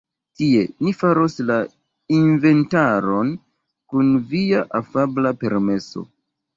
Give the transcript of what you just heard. Tie, ni faros la inventaron, kun via afabla permeso.